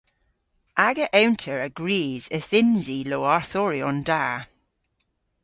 Aga ewnter a grys yth yns i lowarthoryon da.